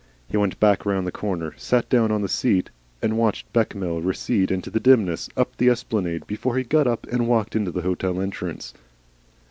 He went back round the corner, sat down on the seat, and watched Bechamel recede into the dimness up the esplanade, before he got up and walked into the hotel entrance.